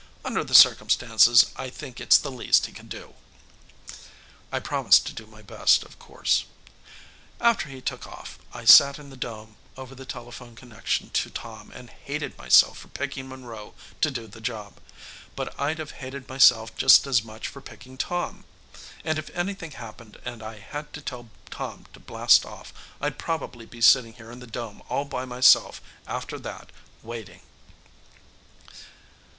Under the circumstances, I think it's the least he could do." I promised to do my best, of course. After he took off, I sat in the dome over the telephone connection to Tom and hated myself for picking Monroe to do the job. But I'd have hated myself just as much for picking Tom. And if anything happened and I had to tell Tom to blast off, I'd probably be sitting here in the dome all by myself after that, waiting....